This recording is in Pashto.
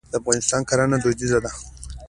د افغانستان کرنه دودیزه ده.